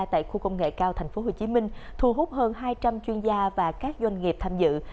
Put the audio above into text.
tại khu công nghệ cao tp hcm thu hút hơn hai trăm linh chuyên gia và các doanh nghiệp tham dự